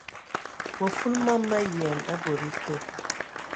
Mə fulu mam ma yian a bod été.